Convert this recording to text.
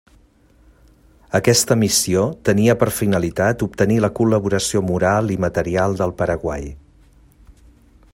Aquesta missió tenia per finalitat obtenir la col·laboració moral i material del Paraguai.